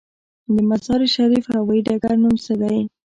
د مزار شریف هوايي ډګر نوم څه دی؟